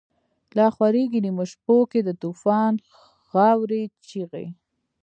لاخوریږی نیمو شپو کی، دتوفان غاوری چیغی